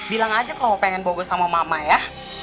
bilang aja kalau pengen bagus sama mama ya